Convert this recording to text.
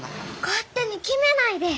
勝手に決めないで。